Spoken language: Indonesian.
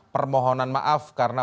permohonan maaf karena